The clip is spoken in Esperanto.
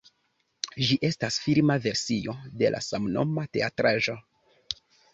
Ĝi estas filma versio de la samnoma teatraĵo.